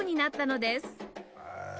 へえ。